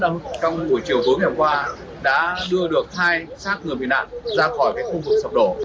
đồng thời nữa trong buổi chiều tối ngày hôm qua đã đưa được hai sát ngược việt nam ra khỏi khu vực sập đổ